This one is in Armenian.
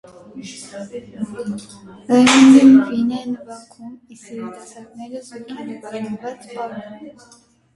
Ռայմոնդան վին է նվագում, իսկ երիտասարդները, զույգերի բաժանված, պարում են։